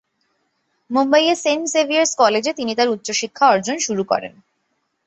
মুম্বাই-এর Saint Xavier's কলেজে তিনি তার উচ্চশিক্ষা অর্জন শুরু করেন।